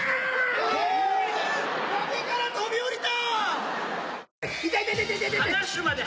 ええ⁉崖から飛び降りた！